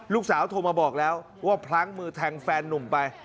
ลูกสาวโทรมาบอกแล้วว่าพลั้งมือแทงแฟนนุ่มไป